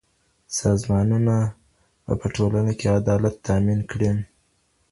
سازمانونه به په ټولنه کي عدالت تامین کړي.